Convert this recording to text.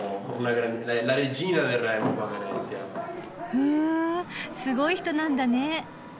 ふんすごい人なんだね。